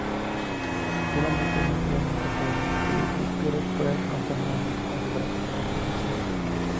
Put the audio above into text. Finalmente Miss Lemon se tranquiliza y Poirot puede contar nuevamente con su gran eficiencia.